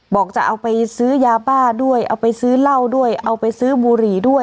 บอกจะเอาไปซื้อยาบ้าด้วยเอาไปซื้อเหล้าด้วยเอาไปซื้อบุหรี่ด้วย